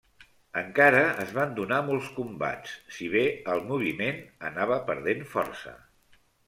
Encara es van donar molts combats, si bé el moviment anava perdent força.